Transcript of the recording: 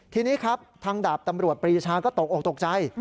ทีนี้ครับทางดาบตำรวจปรีชาก็ตกออกตกใจ